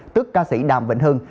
tức ca sĩ đàm vĩnh hưng